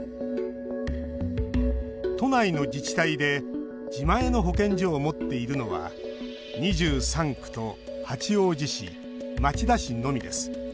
都内の自治体で自前の保健所を持っているのは２３区と八王子市、町田市のみです。